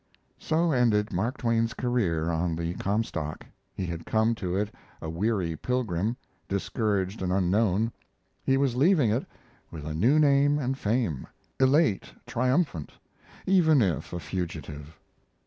So ended Mark Twain's career on the Comstock. He had come to it a weary pilgrim, discouraged and unknown; he was leaving it with a new name and fame elate, triumphant, even if a fugitive.